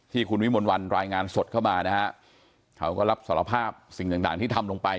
ที่คุณวิมลวันรายงานสดเข้ามานะฮะเขาก็รับสารภาพสิ่งต่างที่ทำลงไป